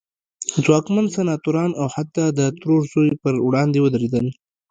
ځواکمن سناتوران او حتی د ترور زوی پر وړاندې ودرېدل.